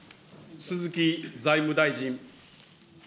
鈴木財務大臣。